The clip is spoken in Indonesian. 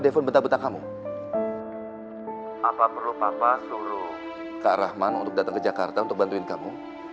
depan betah betah kamu apa perlu papa suruh kak rahman untuk datang ke jakarta untuk bantuin kamu ya